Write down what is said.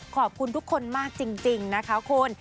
ขอบคุณทุกคนมากจริงนะคะคุณ